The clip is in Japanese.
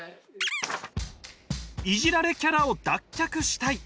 イジられキャラを脱却したい。